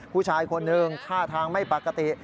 ผู้ชายคนหนึ่งท่าทางไม่ปกติ